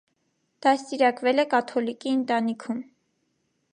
Դաստիարակվել է կաթոլիկի ընտանիքում։